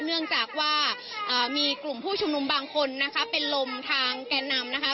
เนื่องจากว่ามีกลุ่มผู้ชุมนุมบางคนนะคะเป็นลมทางแก่นำนะคะ